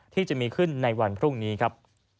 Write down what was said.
ที่จะมีขึ้นในวันพรุ่งนี้ครับ